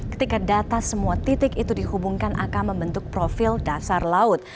ketika data semua titik itu dihubungkan akan membentuk profil dasar laut